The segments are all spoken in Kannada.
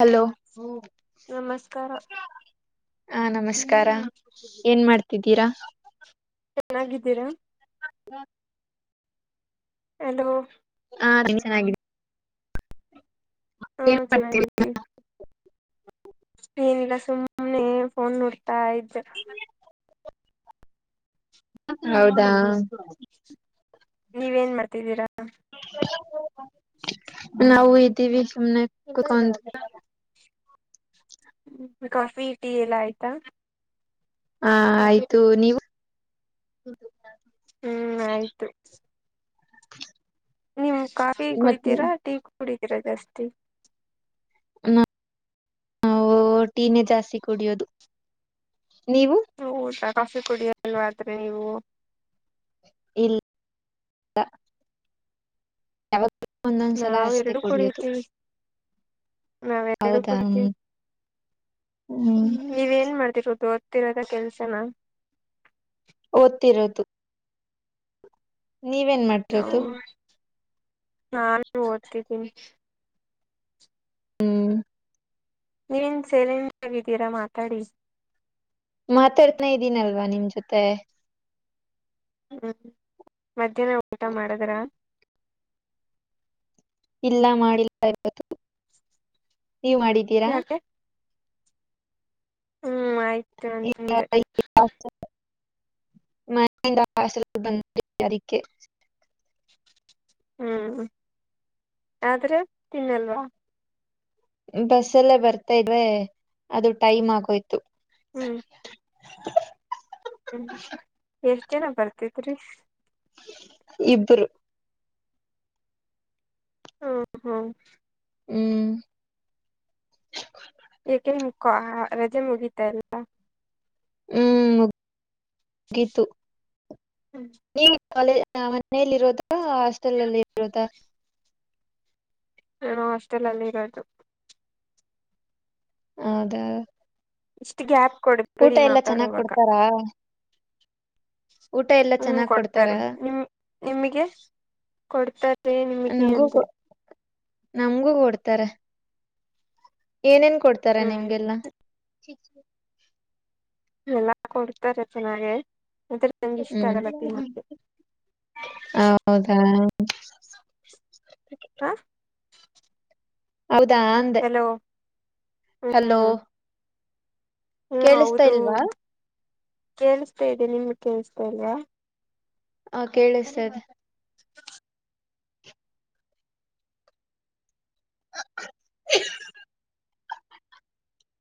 ಹಲೋ ನಮಸ್ಕಾರ ಹಾ ನಮಸ್ಕಾರಕಾರ ಏನ್ ಮಾಡ್ತಿದ್ದೀರಾ ಚೆನ್ನಾಗಿದ್ದೀರಾ ಹಲೊ ಹ್ಮ ಅಲೋ ಹಾ ನೀನ್ ಚೆನ್ನಿ ಹಾ ಚಲಿದ್ದ ಸ್ಕ್ರೀನ್ಲ್ಲ ಸುಮ್ನೆ ಫೋನ್ ನೋಡ್ತಾ ಇದ್ದ ಹೌದಾಷ್ಟಷ್ರ ನೀವೇನ್ ಮಾಡ್ತಿದ್ದೀರಾ ನಾವು ಇದ್ದೀವಿ ಸುಮನೆ ಕುಕೊಂಡ ಕಾಫಿ ಟೀ ಎಲ್ಲ ಆಯ್ತಾ ಹಾ ಆಯ್ತು ನೀವು ಹ್ಮ್ ಆಯ್ತು [inaudible] ನೀವು ಕಾಫಿ ಮತ್ತೆ ಕುಡಿತೀರಾ ಟೀ ಕುಡಿತೀರಾ ಜಾಸ್ತಿ. ನಾವು ಟೀನೇಜ್ ಜಾಸ್ತಿ ಕುಡಿಯೋದು ನೀವು ಊಟ ಕಾಫಿ ಕುಡಿಯಲ್ವ್ರೆ ನೀವು ಇಲ್ಲ ಯಾವಾಗ್ಲೂ ಒಂದೊಂದ್ಸಲ ನಾವ್ ಅಷ್ಟೇ ಎರಡು ಕುಡಿಯೋದು ಕೊಡತ್ತಿವಿ ನಾವೆರಡು ಹೌದಾ ಕುಡಿಕವಿ ಹ್ಮ್ ನೀವೇನ್ ಮಾಡತಿರೋದು. ತಿರದ ಕೆಲ್ಸನಾ ಓದ್ತಿರೋದು. ನೀವೇನ್ ಮಾಡ್ತಿರದು ನಾನು ಓದ್ತಿದ್ದೀನಿ. ಹ್ಮ್ ನೀವೇನ್ ಸೈಲೇಟ್ ಆಗಿದ್ದೀರಾ ಮಾತಾಡಿ. ಮಾತಾಡ್ತನ ಇದ್ದೀನಲ್ವಾ ನಿಮ್ಮ ಜೊತೆ ಹ್ಮ್ ಮಧ್ಯಾಹ್ನ ಊಟ ಮಾಡದ್ರ. ಇಲ್ಲ ಮಾಡಿಲ್ಲ ಇ [unintelligible] ನೀವ ಮಾಡಿದ್ದೀರಾ ಯಾಕೆ ಹ್ಮ್ ಆಯ್ತು ಇಲ್ಲ ಹಣ್ಣತಿಂದೆ ಮನೆಯಿಂದ ಹಾಸ [unintelligible] ಬಯಾರಕೆ [unintelligible] ಅದಕ್ಕೆ ಹ್ಮ್ ಆದ್ರೆ ತಿನ್ನಲ್ವಾ ಬಸ್ಸಲ್ಲೇ ಬರ್ತಾ ಇದೆ ಅದು ಟೈಮ್ ಆಗೋಯ್ತು. ಹ್ಮ್ [inaudible] ಹ್ಮ್ ಎಷ್ಟ್ ಜನ ಬರ್ತಿದ್ರಿ ಇಬ್ಬರು ಹ ಹೋ ಹ್ಮ್ ಏಕೆ ಮುಖೋ ರಜೆ ಮುಗಿತಾ ಎಲ್ಲ. ಹ್ಮ್ ಮುಗಿತು ಕಾಲೇಜ್ ಮನಲಿ ಇರೋದ ಹಾಸ್ಟೆಲ್ ಅಲ್ಲಿ ಇರೋದಾ ನಾನು ಹಾಸ್ಟೆಲ್ ಅಲ್ಲಿ ಇರದು. ಹೌದ ಇಷ್ಟು ಗ್ಯಾಪ್ ಕೊಡಬೇಡಿ ಮಾತಾಡೋವಾಗ ಕೊಡ್ತಾರಾ ಊಟ ಎಲ್ಲಾ ಹ್ಮ ಚೆನ್ನಾಗ್ ಕೊಡ್ತಾರೆ ಕೊಡ್ತಾರಾ ನಿಮ ನಿಮಗೆ ಕೊಡ್ತಾರೆ ನಿಮಗೆ ನಮಗೂ ಅಂದೆ ನಮ್ಗೂ ಕೊಡ್ತಾರೆ ಏನೇನ್ ಕೊಡ್ತಾರ ಹ್ಮ್ ನಿಮ್ಗೆಲ್ಲಾ ಎಲ್ಲಾ ಕೊಡ್ತಾರೆ ಚೆನ್ನಾಗೆ ಆದ್ರೆ ನಂಗ ಇಷ್ಟ ಹ್ಮ್ ಆಗಲ್ಲ ತಿನಕ್ಕೆ ಹೌದಾ ಹ ಹೌದಾ ಅಂದೆ ಹಲೋ ಹಲೋ ಹ್ಮ್ ಹ್ಮ್ ಕೇಳಿಸ್ತಾ ಹೌದು ಇಲ್ವಾ ಕೇಳಸ್ತಾ ಇದೆ ನಿಮ್ಗೆ ಕೇೇಳಿಸ್ತ ಇಲ್ವಾ. ಹ ಕೇಳಿಸ್ತದೆ. [inaudible]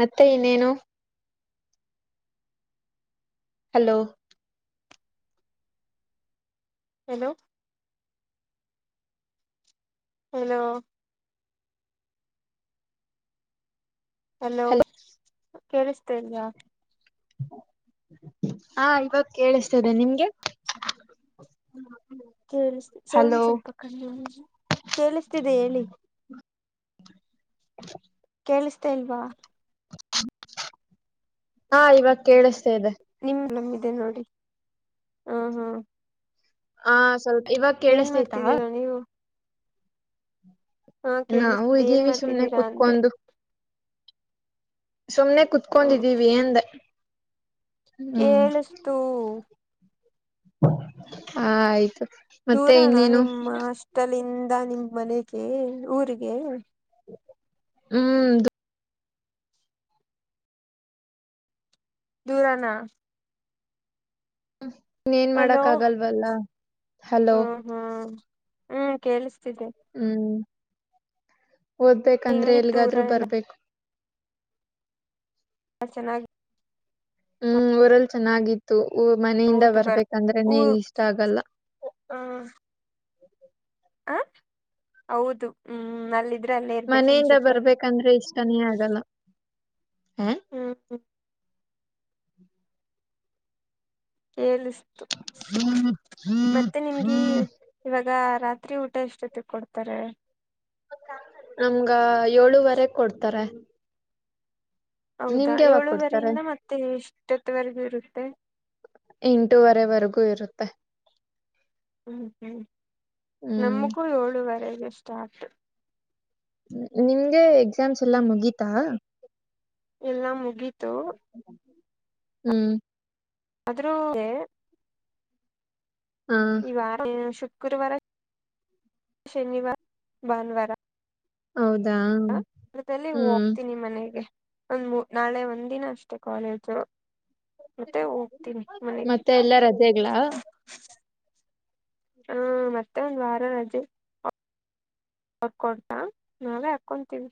ಮತ್ತೆ ಇನ್ನೇನು ಹಲೋ ಹಲೋ ಹಲೋ ಹಲೋ ಕೇಳಿಸ್ತಾ ಇದಿಯಾ ಹಾ ಇವಾಗ ಕೇಳಿಸ್ತದೆ ನಿಮ್ಗೆ ಕೇಳಿಸ ಸೌಂಡ್ ಹಲೋ ಸ್ವಲ್ಪ ಕಡಿಮೆ ಮಾಡು ಕೇಳಿಸ್ತಿದೆ ಹೇಳಿ. [inaudible] ಕೇಳಿಸ್ತಾ ಇಲ್ವಾ. ಹಾ ಇವಾಗ ಕೇಳಿಸ್ತೇ ಇದೆ. ನಿಮ್ ನಂಬಿದೆ ನೋಡ್ರಿ ಹ್ಮ ಹ್ಮ್ ಹ ಸ್ವಲ್ಪ ಇವಾಗ ಕೇಳಿಸ್ತೈತಾ. ಮಾಡ್ತಿದ್ದೀರಾ ನೀವು ಹಾ ನಾವು ಕೇಳಿಸ್ತಿದೆ ಏನ್ ಇದೀವಿ ಸುಮ್ನೆ ಮಾಡ್ತಿದ್ದೀರಾ ಅಂದೆ ಕುತ್ಕೊಂಡು. ಸುಮ್ನೆ ಹ್ಮ ಕುತ್ಕೊಂಡಿದ್ದೀವಿ ಅಂದೆ. ಹ್ಮ್ ಕೇಳಿಸ್ತು ಹ ಆಯ್ತು. ಮತ್ತೆ ದೂರಾನ ಇನ್ನೇನು ನಿಮ್ಮ ಹಾಸ್ತೆಲಿಂದ ನಿಮ್ ಮನೆಗೆ ಊರಿಗೆ. ಹ್ಮ್ ದೂರಾನ ಇನ್ನೆನ್ ಹಲೋ ಮಾಡಕ್ ಆಗಲ್ವಲ್ಲ ಹಲೋ ಹ್ಮ್ ಹ್ಮ್ ಹ್ಮ್ ಕೇಳ್ಸ ಹ್ಮ್ ಓದ್ಬೇಕಂದ್ರೆ ಹೆಂಗಿತ್ತು ಊರ ಎಲ್ಲಿಗಾದ್ರೂ ಎಲ್ಲ ಬರ್ಬೇಕು. ನ ಚೆನ್ನಾಗ್ ಹ್ಮ್ ಊರಲ್ಲಿ ಚೆನ್ನಾಗಿತ್ತು. ಮನೆಯಿಂದ ಹೌದು ಬರ್ ಊ ಬರ್ಬೇಕಂದ್ರೆನೆ ಇಷ್ಟ ಆಗಲ್ಲ. ಹ ಹೌದು ಹ್ಮ ಅಲ್ಲ ಮನೆಯಿಂದ ಬರ್ಬೇಕಂದ್ರೆ ಇಷ್ಟನೇ ಆಗಲ್ಲ. ಹಾ ಹ್ಮ್ ಕೇಳಿದ್ದು ಮತ್ತೆ ನಿಮ್ಗಿ ಇವಾಗ ರಾತ್ರಿ ಊಟ ಎಷ್ಟೊತಿಗ್ ಕೊಡ್ತಾರೆ. ನಮ್ಗ ಏಳುವರೆ ಕೊಡ್ತಾರೆ. ಹೌದಾ ನಿಮ್ಗೆ ಯಾವಾಗ ಕೊಡ್ತಾರೆ ಏಳುವರಿಯಿಂದ ಮತ್ತೆ ಎಷ್ಟೊತ್ತವರ್ಗು ಇರುತ್ತೆ. ಎಂಟೂವರೆವರೆಗೂ ಇರುತ್ತೆ. ಹ್ಮ್ ಹ್ಮ್ ಹ್ಮ್ ನಮಗೂ ಏಳುವರೆಗೆ ಸ್ಟಾರ್ಟ್. ನಿಮ್ಗೆ ಎಕ್ಸಾಮ್ಸ್ ಎಲ್ಲಾ ಮುಗೀತಾ. ಎಲ್ಲಾ ಮುಗಿತು. ಹ್ಮ್ ಆದ್ರೂ [unintelligible] ಹಾ ಈ ವಾರ ಶುಕ್ರವಾರ ಶನಿವಾರ ಭಾನುವಾರ. ಹೌದಾ? ಹ ಅದಲ್ಲಿ ಹ್ಮ್. ಹೋಗ್ತೀನಿ ಮನೆಗೆ ಒಂದ್ ನಾಳೆ ಒಂದ್ ದಿನ ಅಷ್ಟೆ ಕಾಲೇಜು. ಮತ್ತೆ ಹೋಗ್ತೀನಿ ಮನೆಗೆ ಮತ್ತೆ ಎಲ್ಲ ರಜೆಗ್ಲ. ಹಾ ಮತ್ತೆ ಒಂದ್ ವಾರ ರಜೆ. ರ್ ಕೊಡ್ತಾ ನಾವೇ ಹಾಕೊಂತೀವಿ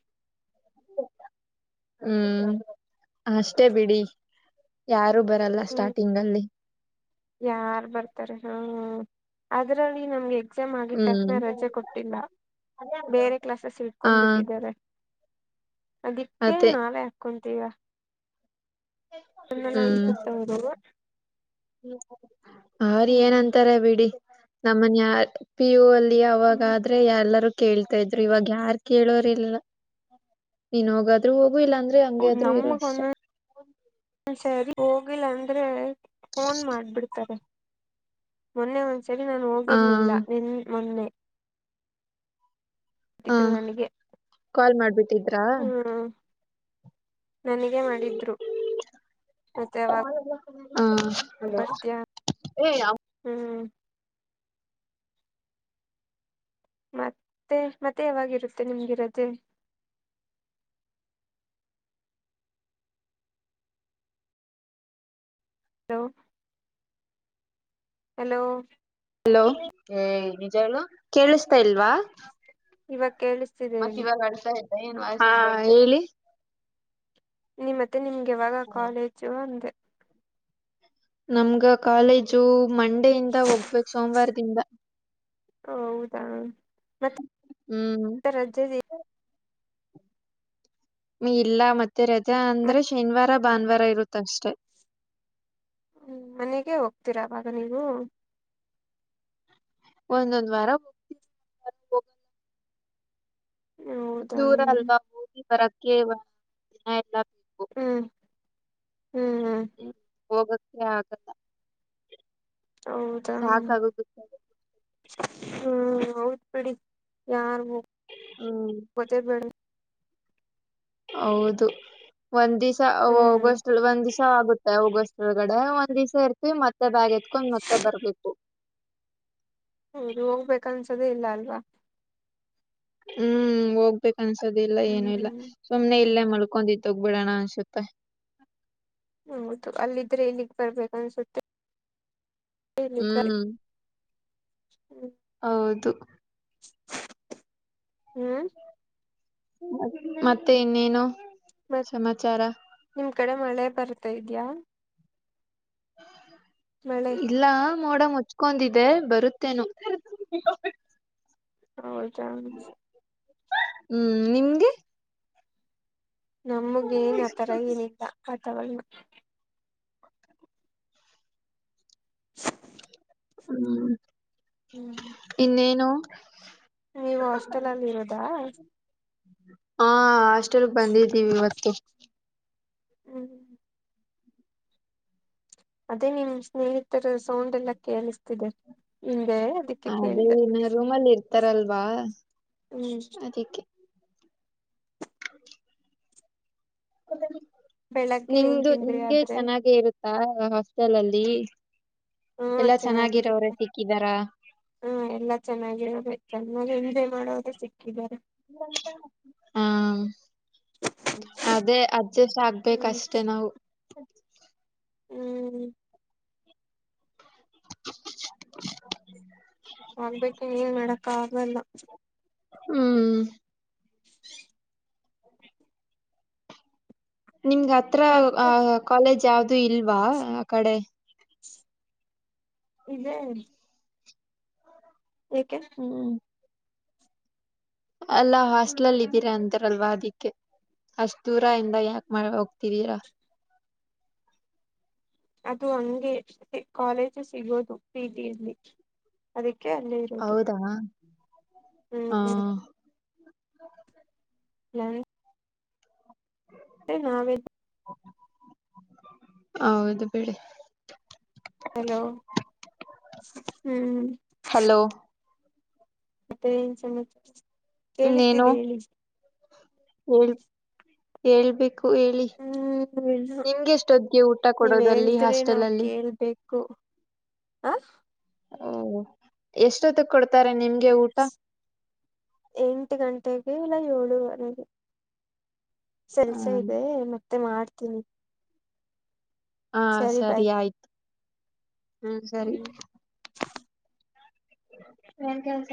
ಹ್ಮ್ ಅಷ್ಟೇ ಬಿಡಿ ಯಾರ್ ಬರಲ್ಲ ಹ್ಮ್ ಸ್ಟಾರ್ಟಿಂಗ್ ಅಲ್ಲಿ ಯಾರ್ ಬರ್ತಾರೆ ಹಾ ಅದ್ರಲ್ಲಿ ನಮ್ಗೆ ಎಕ್ಸಾಮ್ ಆಗಿ ತಕ್ಷಣ ಹ್ಮ್. ರಜೆ ಕೊಟ್ಟಿಲ್ಲ ಬೇರೆ ಕ್ಲಾಸಸ್ ಹಾ ಇಟ್ಕೊಂಡ್ಬಿಟ್ಟಿದ್ದಾರೆ. ಅದಿಕ್ಕೆ ಅದೇ. ನಾವೇ ಹಾಕ್ಕೊಂತೀವ. [unintelligible] ಅವ್ರ ಹ್ಮ್ ಏನ್ಂತಾರ ಬಿಡಿ ನಮ್ಮನ್ ಯಾರ್ ಪಿ ಯು ಅಲ್ ಹ್ಮ್ ಅವಾಗಾದ್ರೆ ಎಲ್ಲರೂ ಕೇಳ್ತಾ ಇದ್ರು ಇವಾಗ ಯಾರ್ ಕೇಳೋರ್ಲ್ಲ ನೀನ್ ಹೋಗಾದ್ರು ಹೋಗ್ ಗು ಇಲ್ಲಾ ಅಂದ್ರೆ ಹಂಗ್ಯದ್ರು ಇರು ನಮಗ್ ಅಷ್ಟೆ. ಒಂದೊಂದ್ಸರಿ ಹೋಗಿಲ್ಲ ಅಂದ್ರೆ ಫೋನ್ ಮಾಡ್ಬಿಡ್ತಾರೆ ಮೊನ್ನೆ ಒಂದ ಸರಿ ನಾನು ಆ ಹೋಗಿರ್ಲಿಲ್ಲ ನಿನ್ ಮೊನ್ನೆ. ಹಾ ಇದ್ರು ನನಗೆ ಕಾಲ್ ಮಾಡ್ಬಿಟ್ಟಿದ್ರಾ. ನನಿಗೆ ಮಾಡಿದ್ರು. ಮತ್ತೆ ಯಾಗಗ್ ಹಲೋ ಬರ್ತ್ಯ ಏ ಹ್ಮ್ ಮತ್ತೆ, ಮತ್ತೆ ಯಾವಾಗಿರುತ್ತೆ ನಿಮ್ಗೇ ರಜೆ. ಹಲೋ ಹಲೋ ಹಲೋ ಏ ನಿಜ ಹೇಳು ಕೇಳಿಸ್ತಾ ಇಲ್ವಾ ಇವಾಗ ಕೇಳಿಸ್ತಿದೆ ಮತ್ ಹೇಳಿ. ಇವಾಗ ಅಳ್ತಾ ಇದ್ದ ಹಾ ಹೇಳಿ. ಮತ್ತೆ ನಿಮ್ಗೆ ಯಾವಾಗ ಕಾಲೇಜು ಅಂದೆ. ನಮ್ಗ ಕಾಲೇಜು ಮಂಡೇ ಇಂದ ಹೋಗ್ಬೇಕು ಸೋಮವಾರದಿಂದ. ಹೌದಾ ಮತ್ ಹ್ಮ್. ಇಲ್ಲ ಮತ್ತೆ ರಜಾ ಅಂದ್ರೆ ಮತ್ ಶನಿವಾರ ಭಾನುವಾರ ಇರುತ್ತಷ್ಟೆ. ಹ್ಮ್ ಮನೆಗೆ ಹೋಗ್ತೀರ ಆವಾಗ ನೀವು. ಒಂದೊಂದ್ ವಾರ ಹೋಗ್ತೀನಿ ಮತ್ ಹೋಗಲ್ಲ. ಹೌದಾ ದೂರ ಅಲ್ವಾ ಹೋಗಿ ಬರಕ್ಕೆ ಎಲ್ಲ ಬೇಕು ಹ್ಮ್. ಹ್ಮ್ ಹ್ಮ್ ಹ್ಮ ಹೋಗಕ್ಕೆ ಆಗಲ್ಲ. ಹೌದಾ ಹ್ಮ್ ಸಾಕಾಗೋಗುತ್ತೆ ಹೌದ್ ಬಿಡಿ ಯಾರ್ ಹ್ಮ್ ಹೋಗೋದೆ ಬೇಡ ಹೌದು ಒಂದ್ ದಿವ್ಸ ಹ್ಮ್ ಹೋಗೊಸ್ಟ್ರಲ್ಲಿ ಒಂದಿವ್ಸ ಸ ಆಗುತ್ತೆ ಹೋಗೋಸ್ಟ್ರೊಳ್ಗಡೆ ಒಂದ್ ದಿವ್ಸ ಇರ್ತಿವಿ ಮತ್ತೆ ಬ್ಯಾಗ್ ಎತ್ಕೊಂಡ್ ಮತ್ತೆ ಬರ್ಬೇಕು. ಹೌದು ಹೋಗ್ಬೇಕ ಅನ್ಸದೆೇ ಇಲ್ಲ ಅಲ್ವಾ. ಹ್ಮ್ ಹೋಗ್ಬೇಕ ಅನ್ಸದಿಲ್ಲ ಏನು ಇಲ್ಲ ಹ್ಮ್ ಸುಮ್ನೆ ಇಲ್ಲೇ ಮಲ್ ಕೊಂಡಿದ್ ಹೋಗ್ಬಿಡೋಣ ಅನ್ಸುತ್ತೆ. ಹೌದು ಅಲ್ಲಿದ್ರೆ ಇಲ್ಲಿಗ್ ಬರ್ಬೇಕ ಅನ್ಸುತ್ತೆ ಹ್ಮ್. ಹ್ಮ. ಹೌದು. ಆ ಮತ್ತೆ ಇನ್ನೇನು. ಮತ್ ಸಮಾಚಾರ ನಿಮ್ ಕಡೆ ಮಳೆ ಬರ್ತಾ ಇದ್ಯಾ. ಮಳೆ ಇಲ್ಲ ಮೋಡ ಮು ಚ್ಕೊಂಡಿದೆ ಬರುತ್ತೇನೋ ಹೌದಾ ಹ್ಮ್ ನಿಮ್ಗೆ. ನಮ್ಗೇನ್ ಆಥರ ಏನಿಲ್ಲ ವಾತಾವರಣ. ಹ್ಮ್ ಹ್ಮ್ ಇನ್ನೇನು. ನೀವು ಹಾಸ್ಟೆಲ್ ಅಲ್ಲಿ ಇರೋದಾ ಹಾ ಹಾಸ್ಟೆಲ್ ಬಂದಿದ್ದೀವಿ ಇವತ್ತು [unintelligible] ಅದೇ ನಿಮ್ ಸ್ನೇಹಿತರ ಸೌಂಡ್ ಎಲ್ಲ ಕೇಳಿಸ್ತಿದೆ ಅದಕ್ಕೆ ಅದೇ ಕೇಳ್ದ ಇನ್ನ ರೂಮಲ್ಲಿ ಇರ್ತಾರಲ್ವಾ ಹ್ಮ್. ಅದಕ್ಕೆ ಬೆಳಗ್ಗೆ ಏನ್ ನಿಮ್ದು ತಿಂದ್ರಿ ನಿಮ್ಗೆ ಆದ್ರೆ ಚೆನ್ನಾಗ ಇರು ಹಾಸ್ಟೆಲ್ ಅಲ್ಲಿ ಎಲ್ಲಾ ಚೆನ್ನಾಗಿರೋರೆ ಸಿಕ್ಕಿದಾರ. ಹಾ ಎಲ್ಲಾ ಚೆನ್ನಾಗಿರೋರೆ ಚೆನ್ನಾಗೆ ಎಂಜಾಯ್ ಮಾಡೋರೇ ಸಿಕ್ ಹಾ. ಅದೇ ಅಡ್ಜೆಸ್ಟ್ ಆಗ್ಬೇಕ ಹ್ಮ್ ಅಷ್ಟೆ ನಾವು. ಹ್ಮ್ [inaudible] ಆಗ್ಬೇಕು ಏನ್ ಮಾಡಕ್ಕ ಆಗಲ್ಲ ಹ್ಮ್ ನಿಮ್ಗ ಹತ್ರ ಮತ್ತೆ ಕಾಲೇಜ್ ಯಾವ್ದೂ ಇಲ್ವಾ ಆ ಕಡೆ ಇದೆೇ ಯಾಕೆ ಹ್ಮ್ ಅಲ್ಲಾ ಹಾಸ್ಟ್ಲಲ್ ಇದ್ದೀರಾ ಅಂತಾರಲ್ವಾ ಅದಿಕ್ಕೆ ಅಷ್ಟ ದೂರ ಇಿಂದ ಯಾಕ ಮನೆ ಹೋಗ್ತಿದೀರಾ ಅದು ಹಂಗೆ ಕಾಲೇಜು ಸಿಗೋದು ಪಿ ಜಿ ಅದಕ್ಕೆ ಕೆ ಅಲ್ಲೇ ಇರೋದು ಹೌದಾ ಹ್ಮ್ ಹ ಹ್ಮ್ [unintelligible] ನಾವೇ ಹೌದು ಬಿಡಿ ಹಲೋ ಹ್ಮ್ ಹಲೋ ಮತ್ತೆ ಏನ್ ಸಮ ಇನ್ನೇನು ಕೇಳಿಸ್ತಿದೆ ಹೇಳಿ ಹೇಳ್ ಹೇಳ್ಬೇಕು ಹೇಳಿ ಹ್ಮ್ ಇಲ್ಲ ನಿಮ್ಗೆಷ್ಟೊದ್ಗೆ ಊಟ ನೀವ್ ಕೊಡೋದಲ್ಲಿ ಹೇಳಿದ್ರೆ ಹಾಸ್ಟೆಲ್ಲ್ಲಿ ಹ ಓ ಎಷ್ಟೊತ್ತ ಕೊಡ್ತಾರೆ ನಿಮ್ಗೆ ಊಟ ಎಂಟು ಗಂಟೆಗೆ ಇಲ್ಲ ಏಳುವರೆಗೆ [unintelligible] ಸಲ್ಸ ಹ್ಮ್ ಇದೆ ಮತ್ತೆ ಮಾಡ್ತೀನಿ ಹಾ ಸರಿ ಆಯ್ತು ಹಾ ಸರಿ ಹ್ಮ್ ಏನ್ ಕೆಲ್ಸ